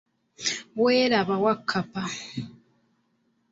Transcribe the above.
Weeraba Wakkapa.